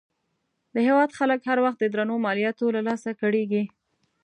د هېواد خلک هر وخت د درنو مالیاتو له لاسه کړېږي.